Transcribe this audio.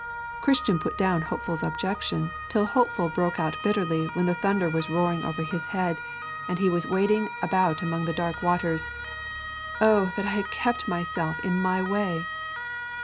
Christian put down Hopeful's objection till Hopeful broke out bitterly when the thunder was roaring over his head and he was wading about among the dark waters: 'Oh that I had kept myself in my way!'